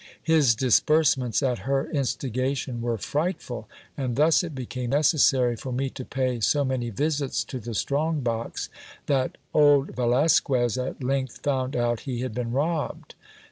His disbursements at her instigation were frightful ; and thus it became necessary for me to pay so many visits to the strong box, that old Velasquez at length found out he had been robbed.